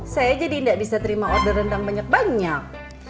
saya jadi tidak bisa terima order rendang banyak banyak